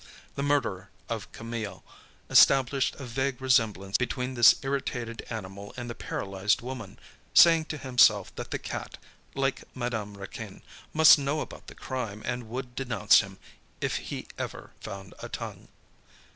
The murderer of Camille established a vague resemblance between this irritated animal and the paralysed woman, saying to himself that the cat, like Madame Raquin, must know about the crime and would denounce him, if he ever found a tongue.